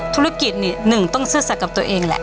ธุรกิจนี่หนึ่งต้องซื่อสัตว์กับตัวเองแหละ